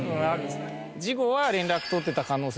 事後は連絡取ってた可能性。